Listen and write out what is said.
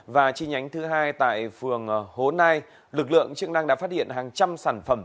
và chi nhánh thứ hai tại phường hố nai lực lượng chức năng đã phát hiện hàng trăm sản phẩm